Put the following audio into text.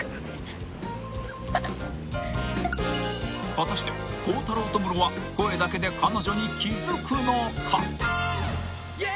［果たして孝太郎とムロは声だけで彼女に気づくのか！？］